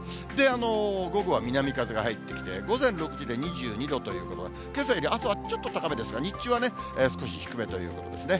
午後は南風が入ってきて、午前の６時で２２度ということで、けさより朝はちょっと高めですが、日中は少し低めということですね。